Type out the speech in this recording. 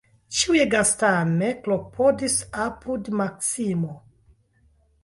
Ĉiuj gastame klopodis apud Maksimo.